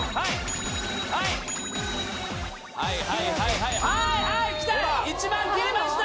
はいはいはいはいはいきた！